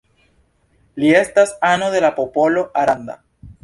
Li estas ano de la popolo Aranda.